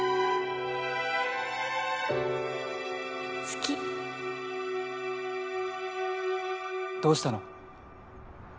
好きどうしたの？